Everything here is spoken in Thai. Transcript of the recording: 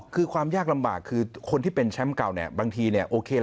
คือความยากลำบาก